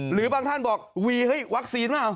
หรือบางท่านบอกวีเฮ้ยวัคซีนเปล่า